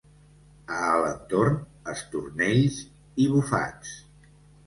A Alentorn, estornells i bufats.